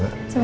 ada apa sarah